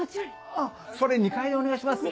あっそれ２階にお願いします。